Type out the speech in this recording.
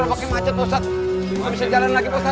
masih macet pak ustadz bisa jalan lagi pak ustadz